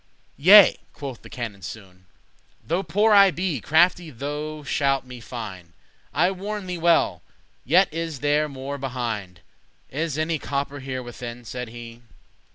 "Yea," quoth the canon soon, "Though poor I be, crafty* thou shalt me find; *skilful I warn thee well, yet is there more behind. Is any copper here within?" said he.